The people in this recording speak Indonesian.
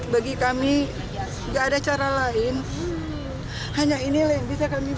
bagi kami nggak ada cara lain hanya inilah yang bisa kami